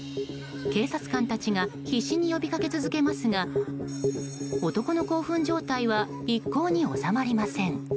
警察官たちが必死に呼びかけ続けますが男の興奮状態は一向に収まりません。